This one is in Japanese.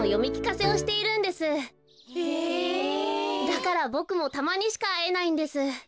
だからボクもたまにしかあえないんです。